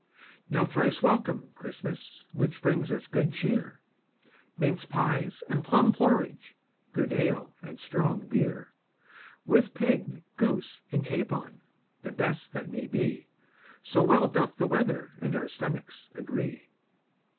Now thrice welcome, Christmas, Which brings us good cheer, Minced pies and plum porridge, Good ale and strong beer; With pig, goose, and capon, The best that may be, So well doth the weather And our stomachs agree.